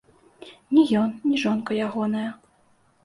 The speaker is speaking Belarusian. Ні ён, ні жонка ягоная.